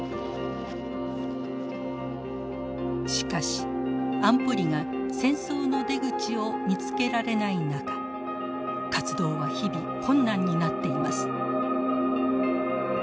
しかし安保理が戦争の出口を見つけられない中活動は日々困難になっています。